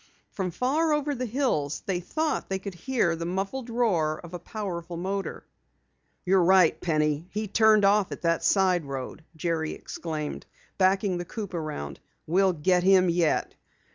From far over the hills they thought they could hear the muffled roar of a powerful motor. "You're right, Penny! He turned off at that side road!" Jerry exclaimed, backing the coupe around. "We'll get him yet!"